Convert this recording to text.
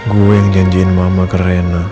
gue yang janjiin mama ke rena